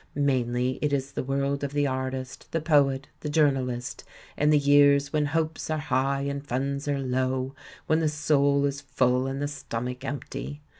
Mainly it is the world of the artist, the poet, the journalist, in the years when hopes are high and funds are low, when the soul is full and the stomach empty.